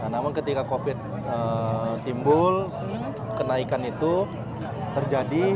namun ketika covid timbul kenaikan itu terjadi